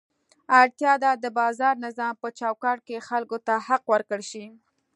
اړتیا ده د بازار نظام په چوکاټ کې خلکو ته حق ورکړل شي.